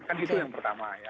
kan itu yang pertama ya